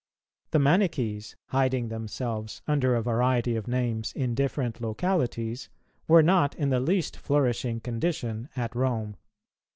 The Manichees, hiding themselves under a variety of names in different localities, were not in the least flourishing condition at Rome.